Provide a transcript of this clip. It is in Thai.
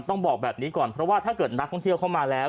ต้องบอกแบบนี้ก่อนเพราะว่าถ้าเกิดนักท่องเที่ยวเข้ามาแล้ว